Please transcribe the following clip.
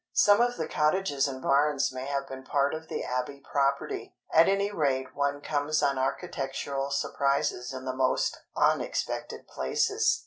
Some of the cottages and barns may have been part of the Abbey property; at any rate one comes on architectural surprises in the most unexpected places.